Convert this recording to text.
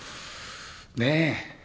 ねえ。